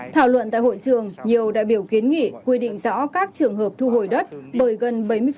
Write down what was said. thảo luận tại hội trường nhiều đại biểu kiến nghị quy định rõ các trường hợp thu hồi đất bởi gần bảy mươi